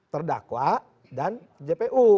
terdakwa dan jpu